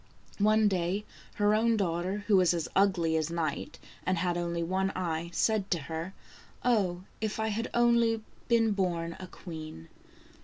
One day, her own daughter, who was as ugly as night, and had only one eye, said to her :" Oh, if I had only been born a queen